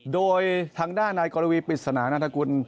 โดยทางด้านนายกรวีปริศนานันทกุล